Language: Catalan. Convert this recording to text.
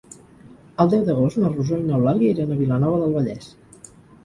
El deu d'agost na Rosó i n'Eulàlia iran a Vilanova del Vallès.